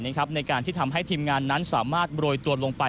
ในการที่ทำให้ทีมงานนั้นสามารถโรยตัวลงไป